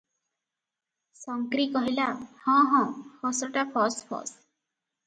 "ଶଂକ୍ରୀ କହିଲା," ହଁ ହଁ ହସଟା ଫସ୍ ଫସ୍ ।